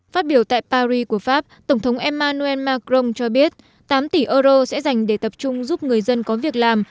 phát biểu tại paris của pháp tổng thống emmanuel macron cho biết tám tỷ euro sẽ dành để tập trung giúp người dân có việc làm